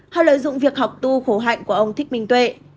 họ lợi dụng việc học tu khổ hạnh của ông thích minh tuệ